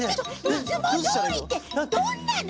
いつもどおりってどんなの？